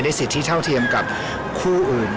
สิทธิเท่าเทียมกับคู่อื่น